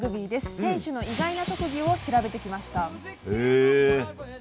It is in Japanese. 選手の意外な特技を調べてきました。